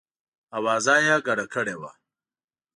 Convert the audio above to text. آوازه یې ګډه کړې وه.